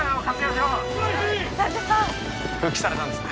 復帰されたんですね